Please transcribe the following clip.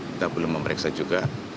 kita belum memeriksa juga